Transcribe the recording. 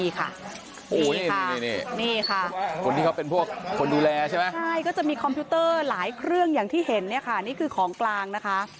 ก็จะมีคอมพิวเตอร์หลายเครื่องอย่างที่เห็นในฐานนี้คือของกลางนะคะ